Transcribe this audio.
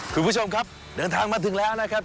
คุณผู้ชมครับเดินทางมาถึงแล้วนะครับ